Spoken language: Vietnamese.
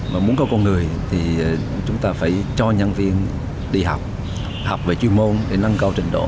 mà muốn có con người thì chúng ta phải cho nhân viên đi học học về chuyên môn để nâng cao trình độ